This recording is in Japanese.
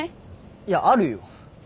いやあるよ。